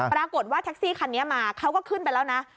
ปรากฏว่าแท็กซี่คันนี้มาเขาก็ขึ้นไปแล้วนะ